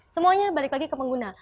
semuanya balik lagi ke pengguna